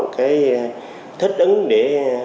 cái thích ứng để